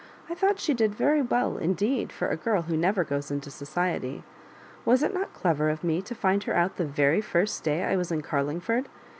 I thought she did very well indeed for a girl who never goes into society. Was it not clever of me to find her out the very first day I was in Car lingford